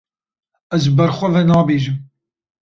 Ez ji ber xwe ve nabêjim.